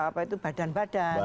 apa itu badan badan